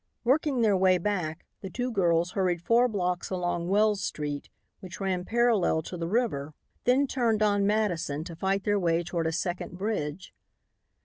Working their way back, the two girls hurried four blocks along Wells street, which ran parallel to the river, then turned on Madison to fight their way toward a second bridge.